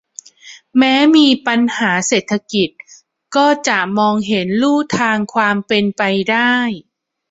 แม้มีปัญหาเศรษฐกิจก็จะมองเห็นลู่ทางความเป็นไปได้